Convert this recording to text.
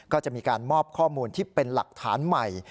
ก็จะมีการมอบข้อมูลที่เป็นหลักฐานใหม่